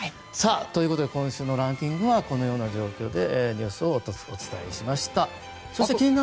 今週のランキングはこのような状況でニュースをお伝えしました。